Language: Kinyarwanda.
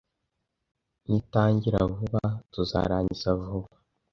Nitangira vuba, tuzarangiza vuba.